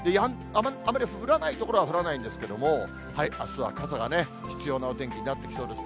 あまり降らない所は降らないんですけれども、あすは傘が必要なお天気になってきそうです。